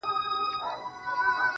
زه د تورسترگو سره دغسي سپين سترگی يمه,